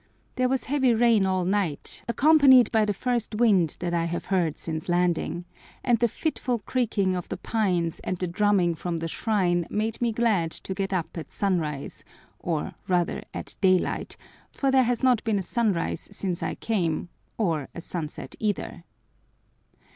There was heavy rain all night, accompanied by the first wind that I have heard since landing; and the fitful creaking of the pines and the drumming from the shrine made me glad to get up at sunrise, or rather at daylight, for there has not been a sunrise since I came, or a sunset either.